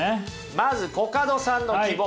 まずコカドさんの希望。